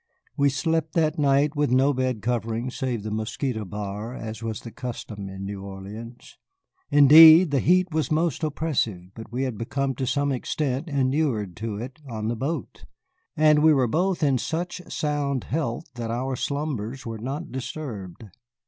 We slept that night with no bed covering save the mosquito bar, as was the custom in New Orleans. Indeed, the heat was most oppressive, but we had become to some extent inured to it on the boat, and we were both in such sound health that our slumbers were not disturbed.